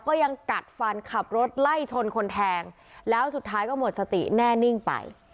ก็ยังกัดฟันขับรถไล่ชนคนแทงแล้วสุดท้ายก็หมดสติแน่นิ่งไป